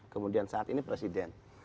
kemudian saat ini presiden